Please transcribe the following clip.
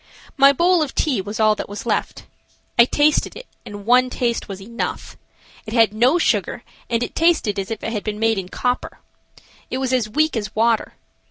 My bowl of tea was all that was left. I tasted, and one taste was enough. It had no sugar, and it tasted as if it had been made in copper. It was as weak as water.